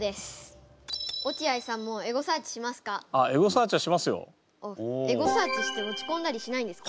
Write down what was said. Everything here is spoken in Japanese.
落合さんもエゴサーチしますか？